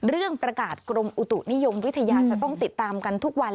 เรื่องประกาศกรมอุตุนิยมวิทยาจะต้องติดตามกันทุกวัน